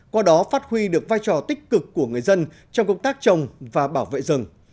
qua đó phát huy được vai trò tích cực của người dân trong công tác trồng và bảo vệ rừng